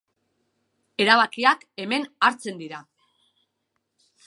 Erabakiak hemen hartzen dira.